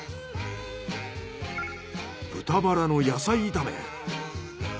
豚バラの野菜炒め。